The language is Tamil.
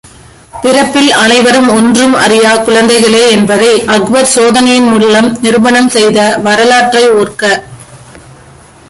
பிறப்பில் அனைவரும் ஒன்றும் அறியா குழந்தைகளே என்பதை அக்பர் சோதனையின் மூலம் நிரூபணம் செய்த வரலாற்றை ஒர்க.